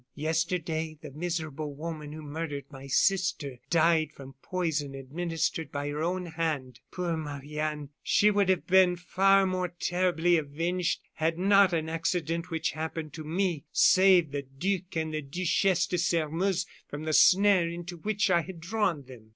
Yesterday, the miserable woman who murdered my sister died from poison administered by her own hand. Poor Marie Anne! she would have been far more terribly avenged had not an accident which happened to me, saved the Duc and the Duchesse de Sairmeuse from the snare into which I had drawn them.